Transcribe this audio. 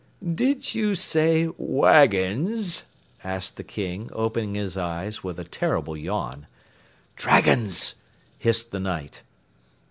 "Did you say wagons?" asked the King, opening his eyes with a terrible yawn. "Dragons!" hissed the Knight.